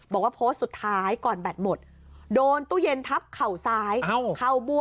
บอกว่าโพสต์สุดท้ายก่อนแบตหมดโดนตู้เย็นทับ